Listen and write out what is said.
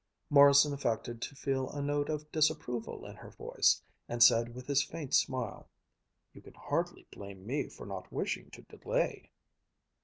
Morrison affected to feel a note of disapproval in her voice, and said with his faint smile, "You can hardly blame me for not wishing to delay."